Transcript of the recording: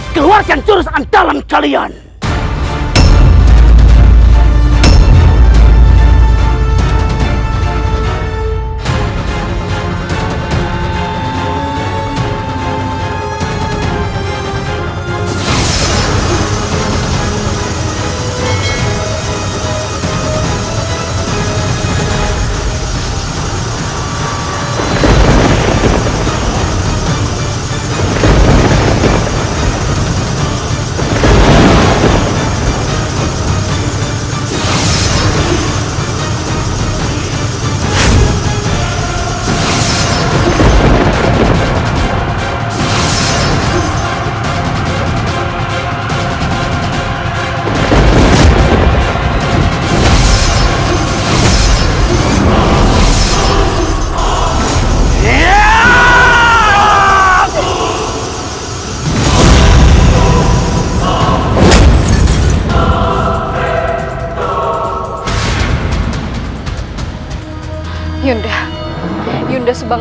keluarkan jurusan dalam kalian